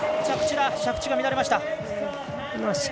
着地が乱れました。